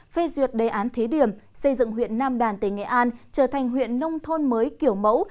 phê duyệt đề án thí điểm xây dựng huyện nam đàn tỉnh nghệ an trở thành huyện nông thôn mới kiểu mẫu